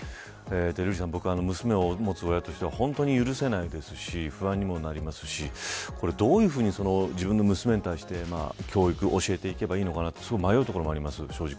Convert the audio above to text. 瑠麗さん、僕、娘を持つ親としては本当に許せないですし不安にもなりますしどういうふうに自分の娘に対して教えていけばいいのかすごく迷うところもあります。